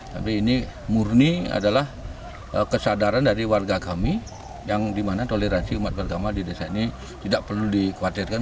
tapi ini murni adalah kesadaran dari warga kami yang dimana toleransi umat beragama di desa ini tidak perlu dikhawatirkan